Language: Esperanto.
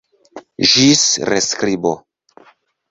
Ĝis reskribo!